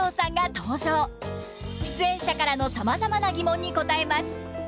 出演者からのさまざまなギモンに答えます。